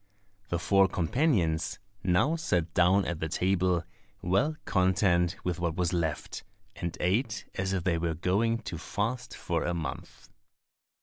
The four companions now sat down at the table, well content with what was left, and ate as if they were going to fast for a month.